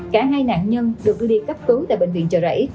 cả hai nạn nhân được đi cấp cứu tại bệnh viện chờ rẫy